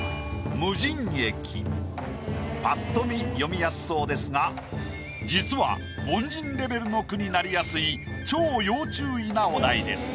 パッと見詠みやすそうですが実は凡人レベルの句になりやすい超要注意なお題です。